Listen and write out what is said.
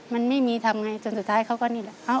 มันไม่มีทำไงจนสุดท้ายเขาก็นี่แหละ